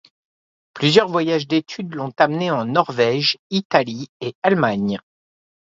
Plusieurs voyages d'études l'ont amené en Norvège, Italie et Allemagne.